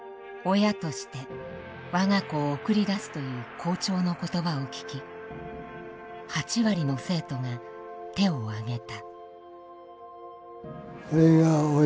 親として我が子を送り出すという校長の言葉を聞き８割の生徒が手を挙げた。